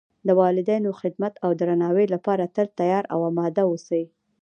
د والدینو خدمت او درناوۍ لپاره تل تیار او آماده و اوسئ